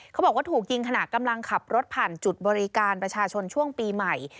เขาบอกว่าถูกยิงขณะกำลังขับรถผ่านจุดบริการประชาชนช่วงปีใหม่